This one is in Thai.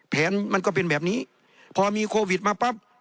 มันก็เป็นแบบนี้พอมีโควิดมาปั๊บ